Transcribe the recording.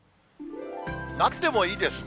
なってもいいですね。